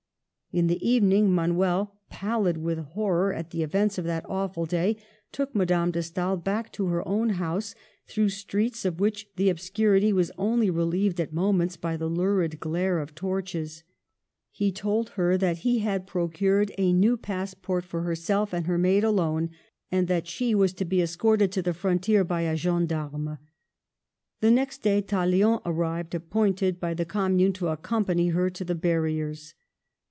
In the evening Manuel, pallid with horror at the events of that awful day, took Madame de Stael back to 'her own house, through streets of which the obscurity was only relieved at mo ments by the lurid glare of torches. He told her that he had procured a new passport for herself and her maid alone; and that she was to be escorted to the frontier by a gendarme. The next day Tallien arrived, appointed by the Commune to accompany her to the barriers.